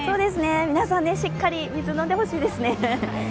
皆さん、しっかり水を飲んでほしいですね。